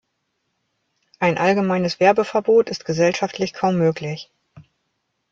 Ein allgemeines Werbeverbot ist gesellschaftlich kaum möglich.